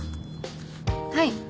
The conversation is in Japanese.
はい。